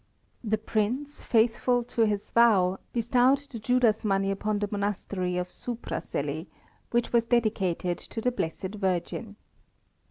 The Prince, faithful to his vow, bestowed the Judas money upon the Monastery of Supraseli which was dedicated to the Blessed Virgin.